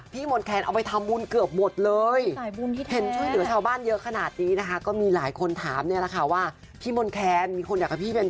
มนแคนเอาไปทำบุญเกือบหมดเลย